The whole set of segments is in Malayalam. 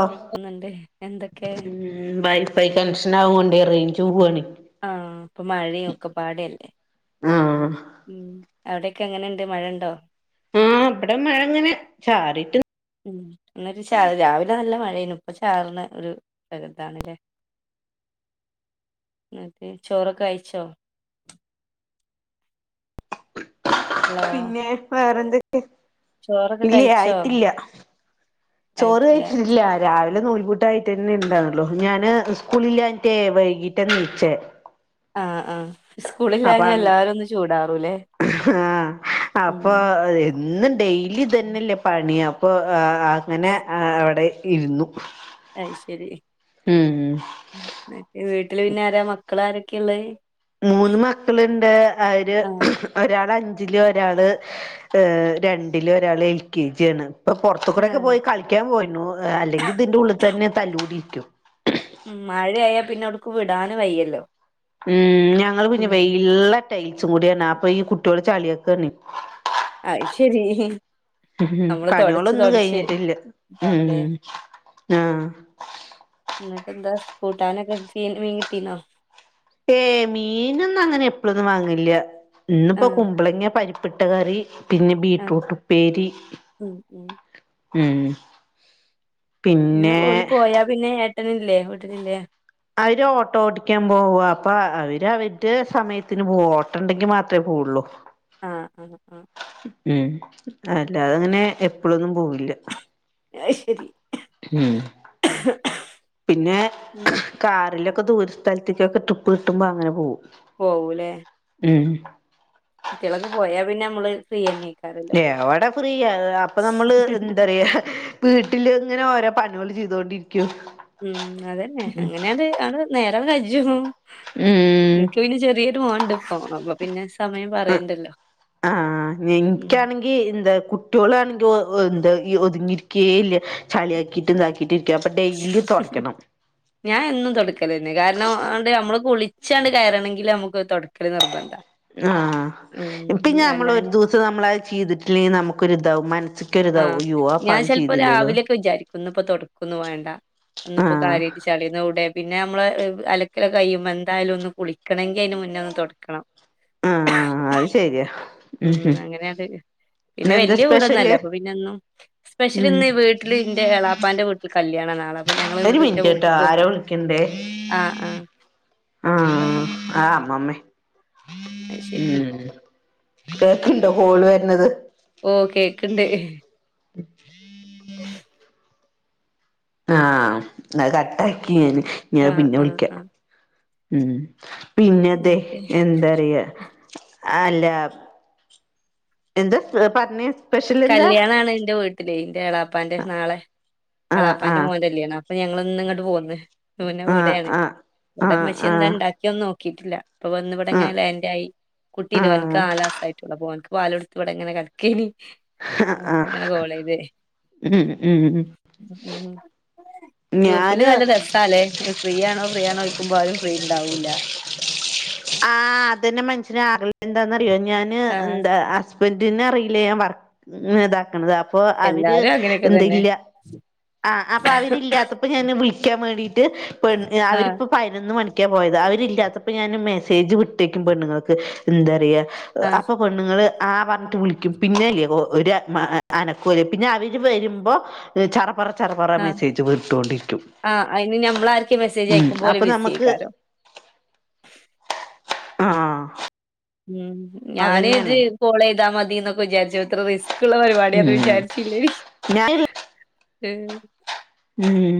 ഓഹ് ന്ന്ണ്ട് എന്തൊക്കെ ഉം വൈഫൈ കണക്ഷൻ ആവോണ്ട് റെയ്ഞ്ച് പോവാണേ ആഹ് ഇപ്പം മഴയും ഒക്കെ പാടല്ലേ ആഹ് ഉം അവടെ ഒക്കെ എങ്ങനെണ്ട് മഴ ഉണ്ടോ? ആഹ് ഇവടെ മഴ ഇങ്ങനെ ചാറിട്ട് ഉം ഇന്നൊരു ച രാവിലെ നല്ല മഴേനു ഇപ്പൊ ചാർന്ന ഒരു പ്രകൃതാണ്ല്ലേ. എന്നിട്ട് ചോറൊക്കെ കഴിച്ചോ? ഹലോ പിന്നെ വേറെന്തൊക്കെ ചോറൊക്കെ ഇല്ലേ കഴിച്ചോ ആയിട്ടില്ല. ചോറ് കഴിച്ചില്ല കഴിച്ചിട്ട്ല്ല. രാവിലെ നൂൽപൂട്ടായിട്ടന്നെ ണ്ടാന്നല്ലോ ഞാന് സ്കൂളില്ലാഞ്ഞിട്ടേ വൈകീട്ട നീച്ചേ അഹ് അഹ് അപ്പ സ്കൂളില്ലാഞ്ഞ അങ് എല്ലാരും ഒന്ന് ചൂടാറുംല്ലേ ആഹ് അപ്പൊ ന്നും ഡെയിലി തന്നെല്ലേ പണി അപ്പൊ ആഹ് അങ്ങനെ അഹ് അവടെ ഇരുന്നു അയ്ശെരി ഉം വീട്ടില് പിന്നെ ആരാ മക്കള് ആരൊക്കെയാ ഉള്ളേ ഉം മൂന്ന് മക്കളുണ്ട് അവര് ആഹ് ഒരാള് അഞ്ചില് ഒരാള് ഏഹ് രണ്ടില് ഒരാള് എൽ കെ ജി ആണ് ഇപ്പൊ പൊറത്ത് കൂടെക്കെ ആഹ് പോയി കളിക്കാൻ പോയിന്നു [unintelligible] അല്ലെങ്കി ഇതിന്റെ ഉള്ളിൽ തന്നെ തല്ല് കൂടി ഇരിക്കും ഉം മഴയായാ പിന്നെ [unintelligible] വിടാനും വയ്യല്ലോ ഉം ഞങ്ങൾ പിന്നെ ഉം വെയിള്ള ടൈൽസും കൂടിയാണ് അപ്പൊ ഈ കുട്ടിയോള് ചളിയാക്കാണ് അയ്ശെരി പണികളൊന്നും കഴിഞ്ഞിട്ടില്ല ഉണ്ടാവൂലേ ഉം ആഹ് എന്നിട്ട് എന്താ സ്കൂട്ടാനൊക്കെ ഫീൽ മീൻ കിട്ടീന്നോ ഏഹ് മീനൊന്നും അങ്ങനെ എപ്പഴൊന്നും വാങ്ങില്ല്യാ ഇന്നിപ്പോ ആഹ് കുമ്പളങ്ങേ പരി [unintelligible] കറി പിന്നെ ആഹ് ബീട്രൂട്ട് ഉപ്പേരി ഉം ഉം ഉം പിന്നെ ഓല് പോയാ പിന്നെ ഏട്ടനില്ലേ വീട്ടിലില്ലേ അവര് ഓട്ടോ ഓടിക്കാൻ പോവാ അപ്പ അ അവര് അവര്ടേ സമയത്തിന് പോവും ഓട്ടം ഉണ്ടെങ്കി മാത്രേ പോവുള്ളൂ ആഹ് ആഹ് ആഹ് ഉം അല്ലാതങ്ങനേ എപ്പോഴൊന്നും പോവുല്ല അയ്ശെരി ഉം പിന്നേ ഉം കാറിലൊക്ക ദൂര സ്ഥലത്തേക്കൊക്കെ ട്രിപ്പ് കിട്ടുമ്പൊ അങ്ങനെ പോകും പോവൂല്ലേ ഉം ട്ടികളൊക്കെ പോയാ പിന്നെ നമ്മള് ഫ്രീ അന്നെ എവടെ ഫ്രീയാ ഏഹ് അപ്പ നമ്മള് എന്താ പറയാ വീട്ടില് ഇങ്ങനെ ഓരോ പണികള് ചെയ്തോണ്ടിരിക്കും ഉം അതന്നെ അങ്ങനെയത് അത് നേരം [unintelligible] ഉം ഉം എനിക്ക് പിന്നെ ചെറിയൊരു മോൻ ഒണ്ട് ഇപ്പോ അപ്പൊ പിന്നേ സമയം പറയണ്ടല്ലോ ഉം ഏയ് എന്താ കുട്ട്യോൾ ആണെങ്കി ഓ ഓ എന്താ ഈ ഒതുങ്ങിരിക്കേ ഇല്ല ചളി ആക്കിയിട്ട് ആ ഇതാക്കിയിട്ട് ഇരിക്കാ അപ്പൊ ഡെയിലി തൊടയ്ക്കണം ഞാൻ എന്നും തൊടുക്കല് തന്നെയാ കാരണം ആണ്ടെ അമ്മള് കുളിച്ചാണ്ട് കയറണങ്കിൽ അമുക്ക് തൊടുക്കല് നിർബന്താ ആഹ് ഇപിന്നെ നമ്മൾ ഒരു ദിവസം നമ്മൾ അത് ചെയ്തിട്ടില്ലെങ്കിൽ നമുക്കൊരു ഇതാവും മനസ് [unintelligible] ആ പണി ചെയ്തില്ലല്ലോ ഇന്നിപ്പൊ തൊടക്കൊന്നും വേണ്ട ഇന്നിപ്പൊ ആഹ് കാര്യായിട്ട് ചളിയൊന്നും ഇവ്ടെ പിന്നെ നമ്മള് ഏഹ് അലക്കല് ഒക്കെ കഴിയുമ്പോ എന്തായാലും ഒന്ന് കുളിക്കണെങ്കി അയിന് മുന്നേ ഒന്ന് തൊടക്കണം ആഹ് ആഹ് ആഹ് അത് ശെരിയാ ഉം അങ്ങനെ [unintelligible] പിന്നെ വെല്യ വീട് ഒന്നും സ്പെഷ്യല് അല്ല അപ്പൊ പിന്നന്നും സ്പെഷ്യല് ഉം ഇന്ന് വീട്ടില് ഇന്റെ എളാപ്പാന്റെ വീ ഇന്ന് കല്യാണാ നാളെ അപ്പൊ ഞങ്ങള് ഒരു ഇങ്ങോട്ട് ഇന്റെ മിനിറ്റ് ട്ടോ വീട്ട്ക്ക് ആരോ വന്നു വിളിക്കണ്ടേ ആഹ് ആഹ് ആഹ് ആഹ് അമ്മാമ്മേ അത് ശരി ഉം കേൾക്കുണ്ടോ കോൾ വരുന്നത് ഓ കേക്ക്ണ്ട് [unintelligible] ആഹ് അത് കട്ടാക്കി ഇനി അത് ആഹ് പിന്നെ ആഹ് വിളിക്കാ ആഹ് ഉം പിന്നെതെ ന്നായിട്ട് എന്താറിയാ ആഹ് അല്ലാ എന്ത്‌ പറഞ്ഞേ സ്പെഷ്യൽ എന്താ കല്യാണാണ് എന്റെ വീട്ടില് ഇന്റെ എളാപ്പാന്റെ നാളെ ആഹ് എളാപ്പാന്റെ ആഹ് മോന്റെ കല്യാണാ അപ്പൊ ഞങ്ങള് ഇന്ന് ഇങ്ങോട്ട് പോന്ന് മ്മന്ന് ആഹ് ഇവിടെയാണ് ആഹ് ഇവിടെ ഉമ്മച്ചി എന്താ ആഹ് ഉണ്ടാക്കിയൊന്ന് നോക്കീട്ടില്ല അപ്പൊ വന്നിവിടെങ്ങനെ ആഹ് ലാൻഡ് ആയി കുട്ടീണ്ട് ഓന്ക്ക് ആഹ് നാലാആാസ ആയിട്ടുള്ളൂ അപ്പോ ഓനിക്ക് പാലൊടുത്ത് ഇവിടെങ്ങനെ കെടന്നു കിമി ആഹ് ആഹ് അപ്പൊങ്ങനെ കോളേത് ഉം ഉം ഗ്രുപ്പിൽ ഞാന് നല്ല രസം അല്ലെ ഫ്രീ ആണോ ഫ്രീ ആണോൽക്കുമ്പോ ആരും ഫ്രീ ഉണ്ടാവൂല്ല ആ അതന്നെ മനുഷ്യന് ആറില്ല എന്താന്ന്റിയോ ഞാാന് ആ എന്താ ഹസ് ഇവന്റിന് അറിയില്ല ഞാൻ വർക്ക് ഇതാക്കണത് അപ്പൊ അവര് എല്ലാരും അങ്ങനെയൊക്കെ എന്ത് തന്നെ ഇല്ല ആ അപ്പൊ അവരില്ലാത്തപ്പോ ഞാൻ വിളിക്കാൻ വേണ്ടീട്ട് പെ ആ അവരിപ്പോ ഞാനൊന്ന് മണിക്കാൻ പോയത് അവരില്ലാത്തപ്പോ ഞാൻ മെസ്സേജ് വിട്ടേക്കും പെണ്ണുങ്ങക്ക് എന്താ പറയ ആ അപ്പൊ പെണ്ണുങ്ങൾ ആ പറഞ്ഞിട്ട് വിളിക്കും പിന്നെല്ലേ ഒ ഒര് അനക്കല പിന്നെ അവര് വരുമ്പോ ചറ പ്പറ ചറപ്പറ ആ മെസ്സേജ് വർട്ടോണ്ടിരിക്കും ആ അതിന് നമ്മളാർക്കും മെസ്സേജ് ഉം അയക്കുമ്പോൾ അപ്പൊ ബിസി നമുക്ക് ആയിക്കാരോ ആ ഉം ഞാൻ ഇത് കോൾ ചെയ്താൽ മതി എന്നൊക്കെ വിചാരിച്ചോ ഇത്ര റിസ്ക് ഉള്ള പരിപാടി അത് ഉം വിചാരിച്ചില്ലനി ഞാൻ ഉം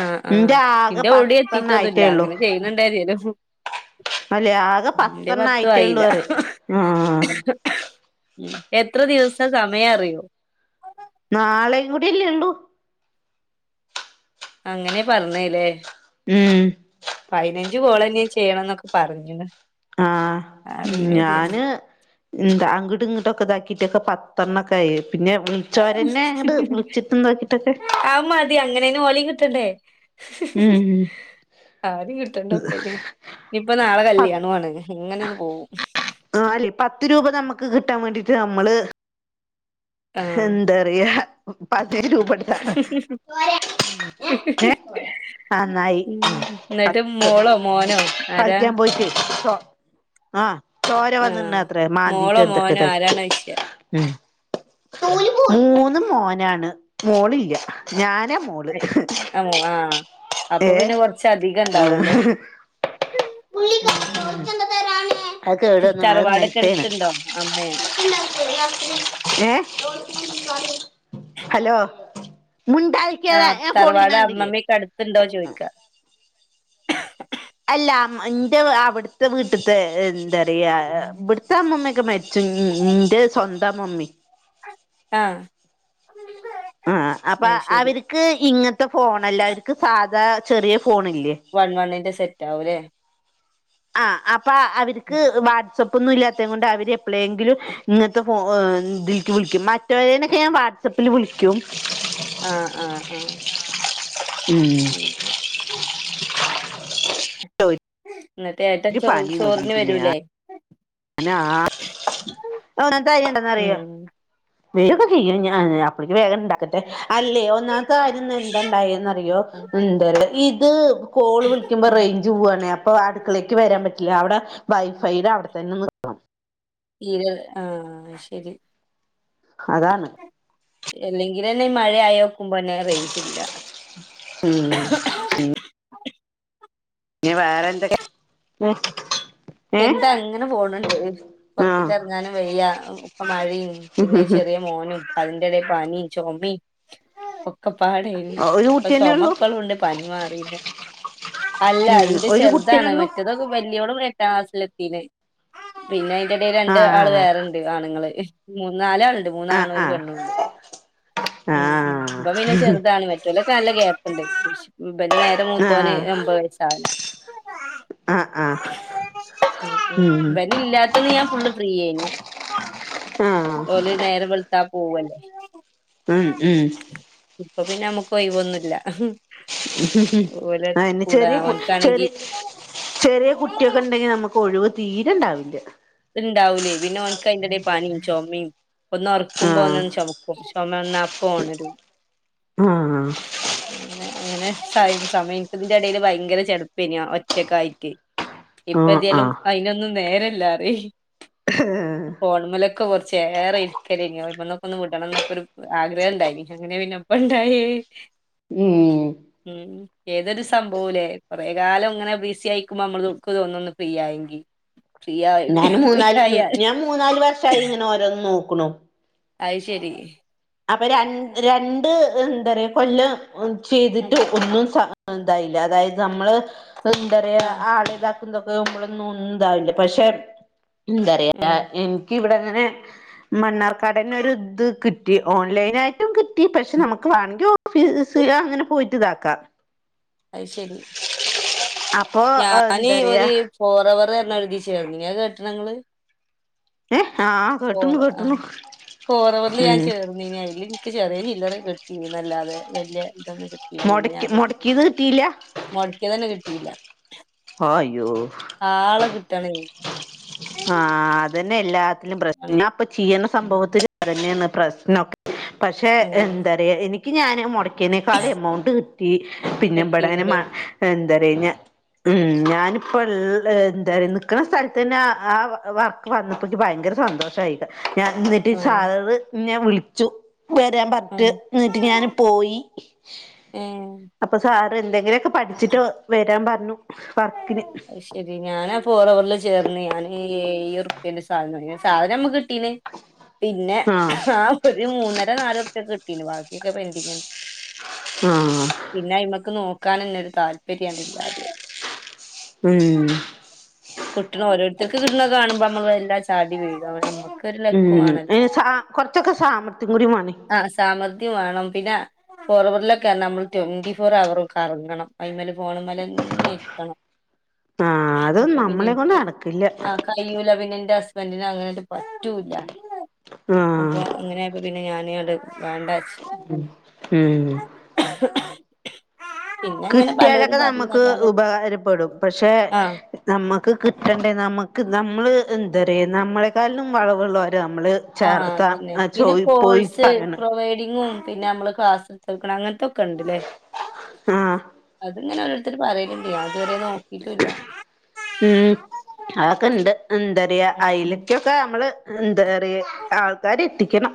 ആഹ ആഹ് എന്റെ ആകെ ന്റെ ഓടി പത്തെണ്ണ എത്തിട്ടൊന്നുല്ല അങ്ങനെ ചെയ്യുന്നുണ്ടാതായാലും. അല്ലേ ആകെ പത്തെണ്ണ പത്തും ആയിട്ടേ ആയില്ല ഉള്ളന്ന് പറ ആ ഉം എത്ര ദിവസം സമയം അറിയോ? നാളെയും കൂടി എല്ലേ ഉള്ളൂ അങ്ങനെ പറഞ്ഞല്ലേ [unintelligible] പതിനഞ്ച് കോളന്നെയ ചെയ്യണം എന്നൊക്കെ പറഞ്ഞന്ന് ആ മം ഞാന് എന്താ അങ്ങിട്ട് ഇങ്ങോട്ടൊക്കെ ഇതാക്കിട്ടൊക്കെ പത്തെണ്ണ ക്കെ ആയി പിന്നെ വിളി ചോരനെ അങ്ങട്ട് വിളിച്ചിട്ട് നോക്കിട്ടൊക്കെ അങ്ങനെയന് ഓലി കിട്ടണ്ടേ ഉം ഉം ആര കിട്ടണ്ടപ്പെനി യിപ്പ നാളെ പ കല്യാണണ് ഇങ്ങനെയാണ് പോകും ആ അല്ലെ പത്ത് രൂപ നമുക്ക് കിട്ടാൻ വേണ്ടീട്ട് നമ്മള് ആഹ് എന്താറിയ പത്ത് രൂപട് [unintelligible] ആ നന്നായി ഉം എന്നിട്ട് പത്ത് മോളോ മോനോ ആരാ കളിക്കാൻ പോയിട്ട് ആ ചോര ആഹ് വന്നിന്ന അത്ര മാന്തിട്ട് മോളോ എന്തൊക്കെ മോനോ തയ് റ്റ് ആരാണോയ്ച്ച ഉം മൂന്നും മോനാണ് മോളില്ല ഞാനാ മോള് ആഹ് ആഹ് അപ്പൊ ഏ പിന്നെ കൊറച്ച അധികം ഇണ്ടാവല്ലോ ഉം ഉം അത് കെടന്ന്ക്കണ് അത് തറവാടൊക്കെ നെൽത്തണ് അടുത്തുണ്ടോ അമ്മേ ഏ ഹലോ മുണ്ടായി ആഹ് ഞാൻ തറവാട് ഫോണിക്കണണ്ടില്ലേ അമ്മമ്മയൊക്കെ അടുത്തുണ്ടോ ചോയിക്കാ അല്ലമ്മ എന്റെ അവിടുത്തെ വീട്ടത്തെ എന്താ പറയാ ഇവിടുത്തെ അമ്മമ്മയൊക്കെ മര് ന്റെ സ്വന്തം മമ്മി ആഹ് ആഹ് അപ്പൊ അയ് ശരി അവർക്ക് ഇങ്ങത്തെ ഫോണല്ല അവർക്ക് സാധാ ചെറിയ ഫോണില്ലേ വൺ വണ്ണിന്റെ സെറ്റ് ആക അല്ലേ ആഹ് അപ്പൊ അവർക്ക് വാട്സപ്പ് ഒന്നും ഇല്ലാത്ത കൊണ്ട് അവര് എപ്പളെങ്കിലും ഇങ്ങനത്തെ ഫോ ഇതിൽക്ക് വിളിക്കും മറ്റവരേനൊക്കെ ഞാൻ വാട്സാപ്പിൽ വിളിക്കും ആഹ് ആഹ് ഉം പിന്നെ എന്നിട്ടേ ഏട്ടൻ ഒരു ചോ ചോറിന് വരൂലേ അനാ ഓന താര്യണ്ടന്ന അറിയോ ഉം വീഡിയോ ഒക്കെ ചെയ്യും ഞാൻ അപ്പളേക്ക് വേഗം ഇണ്ടാക്കട്ടെ അല്ലെയോ ഇന്നാത്തെ കാര്യം എന്തണ്ടായിറിയോ എന്ത ഇത് കോള് വിളിക്കുമ്പോ റെയ് ജൂ പോവാണ് അപ്പൊ അടുക്കളേക്ക് ഉം വരാൻ പറ്റില്ല അവിടെ വൈഫൈയുടെ അവിടെത്തന്നെ നിക്കണം തീരെ ആഹ് ശരി അതാണ് അല്ലെങ്കിലന്നെ ഈ മഴ ആയി വോക്കുമ്പോന്നെ റേഞ്ചില്ല ഉം നീ വേറെ എന്തൊക്കെ ഏ എന്താ അങ്ങനെ പോണണ്ട് പുറത്തേക്ക് ഇറങ്ങാനും വെയ്യ ഇപ്പ മഴയും പിന്നെ ആഹ് ചെറിയ മോനും അതിന്റെ ഇടെൽ പനിയും ചുമയും ഒക്കെ പാട ഒരു കുട്ടിയന്നെ ഉള്ളൂ ചുമപ്പളും ഉണ്ട് പനി മാറില്ല അല്ല ഉം ഇന്റെ ഒരു കുട്ടിയന്നെ ചെറുതാണ് ഉള്ളൂ മറ്റത് അതൊക്കെ വലിയോടെ എട്ടാം ക്ലാസ്സൽ എത്തിന പിന്നെ അതിന്റെടയിൽ രണ്ട് ആള് ആഹ് വേറെണ്ട് ആണുങ്ങള് മൂന്നാലാള്ണ്ട് മൂന്ന് ആഹ് ആണും ഒരു ആഹ് പെണ്ണും ഉണ്ട് ആഹ് ഇവൻ പിന്നെ ചെറുതാണ് ഇലൊക്കെ നല്ല ഗ്യാപ്പുണ്ട് നേരെ മൂത്തവന് ആഹ് ഒമ്പത് വയസാവന ആഹ് ആഹ് ഉം ഇവൻ ഇല്ലാത്ത ന്ന് ഞാൻ ഫുള്ള് ഫ്രീ ആയിനു ആഹ് ഓല് നേരം വെളുത്താ പോവല്ലേ ഉം ഉം ഇപ്പൊ പിന്നെ നമ്മുക്ക് ഒഴിവൊന്നുല്ല ഓലെ അ കൂടെ ചെറിയ കു ഓൻക്കാണെങ്കി ചെറിയ ചെറിയ കുട്ടിയൊക്കെ ഉണ്ടെങ്കി നമുക്ക് ഒഴിവ് തീരെണ്ടാവില്ല ഇത് ഇണ്ടാവൂലേ പിന്നെ നക്ക് അതിന്റേയും പനിയും ചുമയും ഒന്ന് ഉറക്കുമ്പോ ആഹ് ഒന്നന്ന് ചുമ ക്കും ചുമ വന്ന അപ്പൊ ഒണരും ആഹ് അങ്ങനെ അങ്ങനെ സം സമയംക്ക ഇതിന്റെ ഇടൽ ഭയങ്കര ചെളുപ്പന ഒറ്റക്ക ആയിട്ട് ഇപ്പ ആഹ് എതിയലും ആഹ് അയിനൊന്നും നേരല്ല പറയ് ഫോൺമലൊക്കെ കൊർചേറെ ഇരിക്കലേനി ഓമലൊക്കെ ഒന്ന് വിടണം എന്നൊക്കൊ ഒരു ആഗ്രഹം ഇണ്ടായിനീ അങ്ങനെ പിന്നെപ്പ ഇണ്ടായി ഉം ഉം ഏതൊരു സംഭവുലേ കൊറേകാലം ഇങ്ങനെ ബിസി ആയിക്കുമ്പോ നമ്മള്ക്ക് തോന്നന്ന് ഫ്രീ ആയെങ്കി ഫ്രീ ആയി ഞാന് ഫ്രീ മൂന്നാല് ആയ ഞാൻ മൂന്നാല് വർഷായി ഇങ്ങനെ ഓരോന്ന് നോക്കണു അത് ശരി അപ്പൊ ര രണ്ട് എന്താ പറയാ കൊല്ല ഉം ചെയ്തിട്ട് ഒന്നും ഇതായില്ല അതായത് നമ്മള് എന്താപറയാ ആഹ് ആളത ന്തൊക്കെ ആവുമ്പോളൊന്നും ഒന്നുതാവില്ല പക്ഷെ എന്താറയാ ഉം എ ക്കിവിടെങ്ങനെ മണ്ണാർക്കാടന്ന ഒരു ഇത് കി കി ഓൺലൈനായിട്ടും കിട്ടി പക്ഷെ നമുക്ക് വേണെങ്കി ഓഫീസ് അങ്ങനെ പോയിട്ട് ഇതാക്കാം [unintelligible] അത് ശരി അപ്പൊ ഞാന് എന്താ പറയാ ഒരു ഫോറവർഞ ഒരുതി ചേർന്നീനി അഹ് കേട്ടണങ്ങള് ഏഹ് ആഹ് ഫോർ കേട്ടണു ആഹ് കേട്ടണു ഫോറവർൽ ഞാൻ ഉം ചേർ അയ്ല് ഇൻക്ക് ചെറിയ ചില്ലറ കിട്ടിനില്ലാതെ വല്യ ഇതൊന്നും മൊട് മൊടക്കിയത് കിട്ടീല്ല മൊട്ക്കിതന്നെ കിട്ടീല്ല ആയ്യോ ആളെ കിട്ടണെ ആഹ് അതെന്നെ എല്ലാത്തിലും പ്രശ്ന ആണ് ഞ്ഞാപ്പൊ ചെയീന്ന ഉം സംഭവത്തില് അതെന്നെണ് പ്രശ്നം പക്ഷെ ഉം എന്താറയാ എനിക്ക് ഞാന് മുട ക്കിനേക്കാളു എമൗണ്ട് കിട്ടി പിന്നെബാടെ കെട്ടീന്ല്ലേ എന്താറയ ഉ ഞാനിപ്പള്ളെ എന്താറ നി ക്കണ സ്ഥൽത്തന്നെ ആ വർക്ക് വന്നപ്പോ ഇൻക് ഭയങ്കര സന്തോഷായി ഞാൻ ന്നിട്ട് ആഹ് സാററ് ഇന്നെ വിളിച്ചു വരാൻ പർഞ്ട്ട് ആഹ് ഇന്നിട്ട് ഞാന് പോയി ഏഹ് അപ്പൊ സാറ് എന്തെങ്കിലൊക്കെ പഠിച്ചിട്ട് വരാൻ പറഞ്ഞു വർക്കിന് ശെരി ഞാനാ ഫോറവറിൽ ചേർന്ന് ഞാന് ഏയുറുപ്പെന്റെ സാധനം സാധനം നമ്മക്ക് കിട്ടീന് പിന്നെ ആഹ് ആ ഒരു മൂന്നര നാലുർപ്യക്കെ കിട്ടീന് ബാക്കിയൊക്കെ പെന്റിങ്ങെന്നെ ആഹ് പിന്നെ അയ്മ്മക്ക് നോക്കാനെന്നൊരു താല്പര്യണ്ട് ഇല്ലാതെയായി ഉം കിട്ട്ണ ഓരോരുത്തർക്ക് കിട്ടുന്ന കാണുമ്പോ നമ്മൾ എല്ലാ ചാടിവീഴ മ്മക്ക് ഉം ഏ സാ കൊറച്ചൊക്കെ സാമർഥ്യം കൂടിമേണേ ആഹ് സാമർഥ്യം വേണം പിന്ന ഫോർവറിലൊക്കെ നമ്മള് ട്വന്റി ഫോർ അവർ ക്കറങ്ങണം അയിമ്മല് ഫോണ്മ്മലെ ഇരിക്കണം ആഹ് അപ്പൊ അതൊന്നും പിന്നെ നമ്മളെ കൊണ്ട് എനിക്ക് നടക്കില്ല ആഹ് കയ്യൂല പിന്നെ എന്റെ ഹസ്ബൻറിന് അങ്ങനറ്റെ പറ്റൂല ആഹ് അപ്പൊ അങ്ങനെ പിന്നെ ഞാൻ പണിങ്ങട്ട് വേണ്ടാച്ച് ഉം പിന്നെ അങ്ങനെ പലരും കിട്ട്യാലൊക്കെ നമുക്ക് പറയുന്നല്ലാതെ ഉപകാരപ്പെടും പക്ഷെ ആഹ് നമ്മക്ക് കിട്ടണ്ടേ നമ്മക്ക് നമ്മള് എന്തറിയ നമ്മളെക്കാട്ടിലും വളവുള്ളോര നമ്മള് ആഹ് ചേർത്താ അതന്നെ പിന്നെ ചോയി പോയി കോഴ്സ് പറയണ് പ്രൊവൈഡിങ്ങും പിന്നെ നമ്മള് ക്ലാസ്ട്ത്തൊട്ക്കണെ അങ്ങൻത്തൊ ക്കണ്ട്ല്ലേ? ആഹ് അത്ങ്ങനെ ഓരോരുത്തര് പറയല്ണ്ട് ഞാ ഇതുവരെ നോക്കിട്ടുല്ല ഉം അതൊക്കെണ്ട് എന്തറിയാ അയിലക്കോ നമ്മളെന്ത‌റിയ ആൾക്കാരെത്തിക്കണം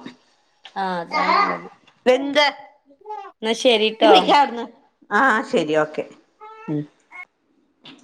ആഹ് അതാണുള്ളത് വെന്തെ എന്നാ ഇ ശരിട്ടോ പൊയ്‌ക്കെ അവിട്ന്ന് ആഹ് ശരി ഓക്കെ ഉം